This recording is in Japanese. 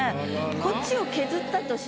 こっちを削ったとしますよ。